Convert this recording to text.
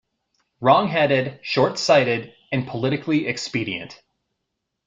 Wrongheaded, shortsighted, and politically expedient.